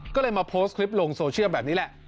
ก็เลยมาโพสต์คลิปลงโซเชียลแบบนี้แหละ